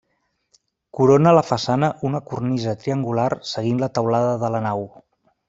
Corona la façana una cornisa triangular seguint la teulada de la nau.